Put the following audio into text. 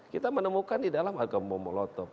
kita menemukan di dalam ada bom bom lotop